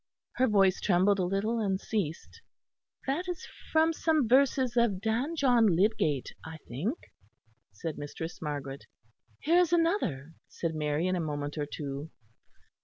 Her voice trembled a little and ceased. "That is from some verses of Dan John Lydgate, I think," said Mistress Margaret. "Here is another," said Mary in a moment or two.